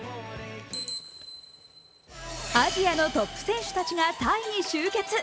アジアのトップ選手たちがタイに集結。